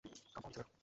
কাম on, ছেলেরা।